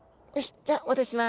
じゃあお渡しします。